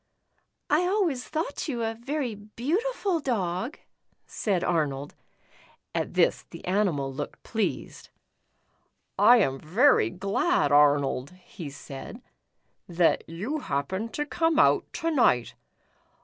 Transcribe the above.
*' I always thought you a very beautiful dog," said Arnold. At this the animal looked pleased. " I am very glad, Arnold," he said, "that you happened to come out to night.